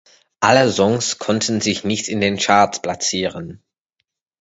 Alle Songs konnten sich nicht in den Charts platzieren.